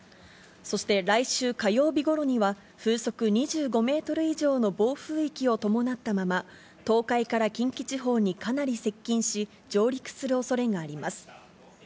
そして来週火曜日ごろには、風速２５メートル以上の暴風域を伴ったまま、東海から近畿地方にかなり接近し、上陸するおそれがあります。